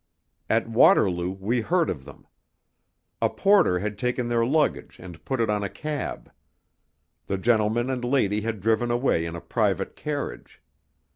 At Waterloo we heard of them. A porter had taken their luggage and put it on a cab. The gentleman and lady had driven away in a private carriage.